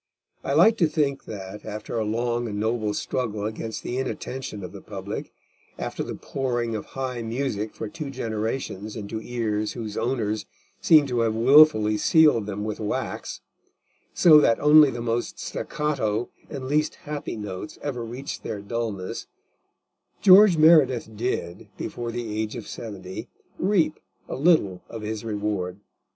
I like to think that, after a long and noble struggle against the inattention of the public, after the pouring of high music for two generations into ears whose owners seemed to have wilfully sealed them with wax, so that only the most staccato and least happy notes ever reached their dulness, George Meredith did, before the age of seventy, reap a little of his reward.